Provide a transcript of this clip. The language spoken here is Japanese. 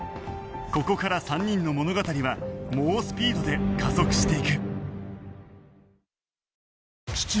ここから３人の物語は猛スピードで加速していく